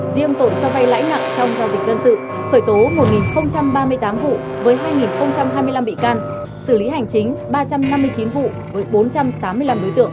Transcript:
riêng tội cho vay lãi nặng trong giao dịch dân sự khởi tố một ba mươi tám vụ với hai hai mươi năm bị can xử lý hành chính ba trăm năm mươi chín vụ với bốn trăm linh